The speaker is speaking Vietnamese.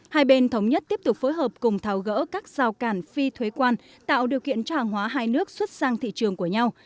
hai bên thống nhất tiếp tục phối hợp cùng tháo gỡ các rào cản phi thuế quan tạo điều kiện cho hàng hóa hai nước xuất sang thị trường của nhau